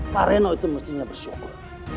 pak reno itu mestinya bersyukur